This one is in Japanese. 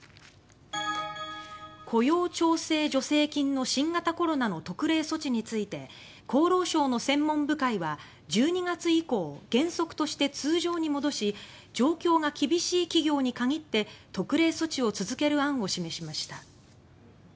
雇用調整助成金の新型コロナの特例措置について厚労省の専門部会は１２月以降原則として通常に戻し状況が厳しい企業に限って特例措置を続ける案を示しました。